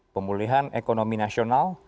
pemulihan ekonomi nasional